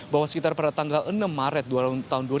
bahwa sekitar pada tanggal enam maret tahun dua ribu dua